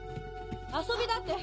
遊びだって？